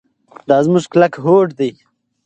دا زموږ کلک هوډ دی.